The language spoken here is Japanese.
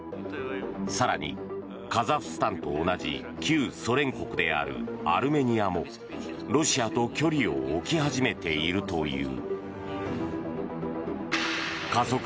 更にカザフスタンと同じ旧ソ連国であるアルメニアもロシアと距離を置き始めているという。